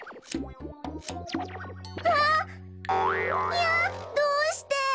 いやどうして！